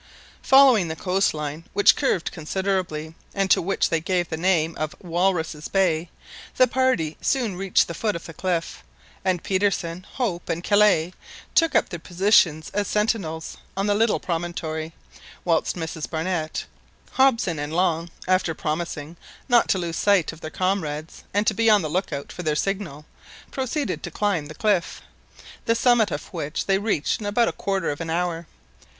Following the coast line, which curved considerably, and to which they gave the name of " Walruses' Bay," the party soon reached the foot of the cliff, and Petersen, Hope, and Kellet, took up their position as sentinels on the little promontory, whilst Mrs Barnett, Hobson, and Long, after promising not to lose sight of their comrades, and to be on the look out for their signal, proceeded to climb the cliff, the summit of which they reached in about a quarter of an hour.